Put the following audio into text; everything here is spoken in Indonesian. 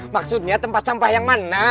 maksudnya tempat sampah yang mana